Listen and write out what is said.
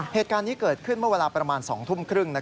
เหตุการณ์นี้เกิดขึ้นเมื่อเวลาประมาณ๒ทุ่มครึ่ง